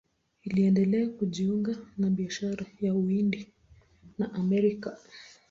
Iliendelea kujiunga na biashara ya Uhindi na Amerika.